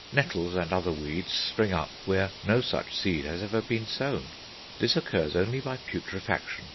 Nettles and other weeds spring up where no such seed has ever been sown. This occurs only by putrefaction.